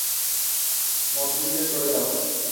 মদ গিলে চলে যাও।